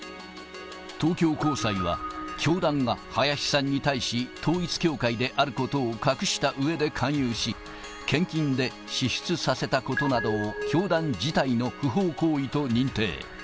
東京高裁は、教団が林さんに対し、統一教会であることを隠したうえで勧誘し、献金で支出させたことなどを教団自体の不法行為と認定。